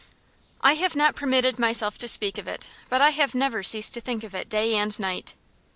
"I have not permitted myself to speak of it, but I have never ceased to think of it day and night."